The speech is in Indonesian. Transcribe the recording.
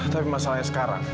tapi masalahnya sekarang